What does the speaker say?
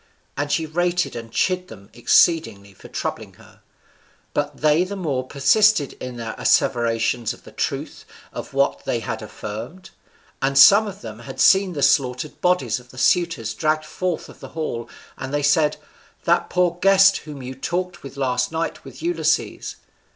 And she rated and chid them exceedingly for troubling her. But they the more persisted in their asseverations of the truth of what they had affirmed; and some of them had seen the slaughtered bodies of the suitors dragged forth of the hall. And they said, "That poor guest whom you talked with last night was Ulysses."